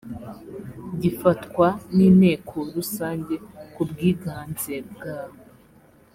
gifatwa n inteko rusange ku bwiganze bwa